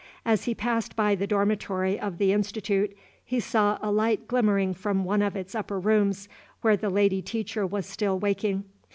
As he passed by the dormitory of the Institute, he saw a light glimmering from one of its upper rooms, where the lady teacher was still waking.